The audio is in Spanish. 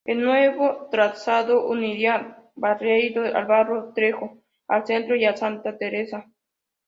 El Nuevo trazado uniría Barreiro al Barro Preto, al Centro y a Santa Tereza.